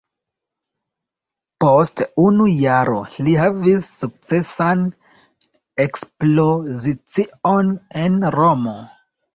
Post unu jaro li havis sukcesan ekspozicion en Romo.